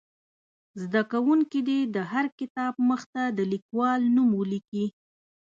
زده کوونکي دې د هر کتاب مخ ته د لیکوال نوم ولیکي.